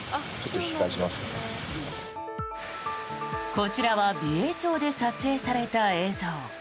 こちらは美瑛町で撮影された映像。